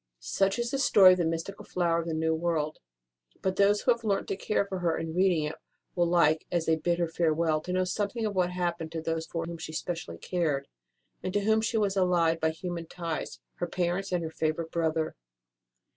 Such is the story of the mystical Flower of the New World ; but those who have learnt to care for her in reading it will like, as they bid her farewell, to know something of what happened to those for whom she specially cared, and to whom she was allied by human ties her parents and her favourite brother.